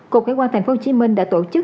cục hải quan thành phố hồ chí minh đã tổ chức